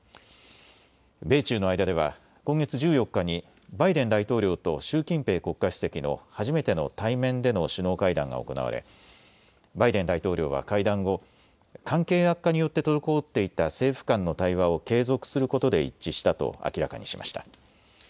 米中の間では今月１４日にバイデン大統領と習近平国家主席の初めての対面での首脳会談が行われバイデン大統領は会談後、関係悪化によって滞っていた政府間の対話を継続することで一致したと明らかにしました。